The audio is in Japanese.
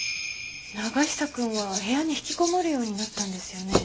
永久くんは部屋に引きこもるようになったんですよね。